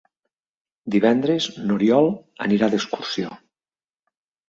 Divendres n'Oriol anirà d'excursió.